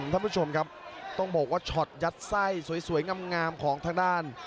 ท่านผู้ชมครับต้องบอกว่าช็อตยัดไส้สวยงามของทางด้าน